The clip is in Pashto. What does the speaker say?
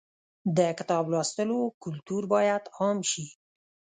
د کتاب لوستلو کلتور باید عام شي.